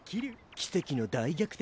奇跡の大逆転！